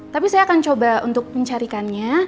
tapi saya akan coba untuk mencarikannya